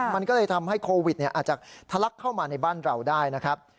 มันก็เลยทำให้โควิดอาจจะทะลักเข้ามาในบ้านเราได้นะครับ